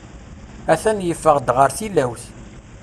A-t-an yeffeɣ-d ɣer tilawt.